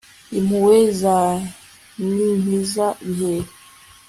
impuhwe zawe ninkiza bihehe